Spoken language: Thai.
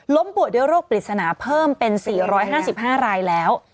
ป่วยด้วยโรคปริศนาเพิ่มเป็น๔๕๕รายแล้ว